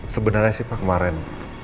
sebenarnya sih pak kemarin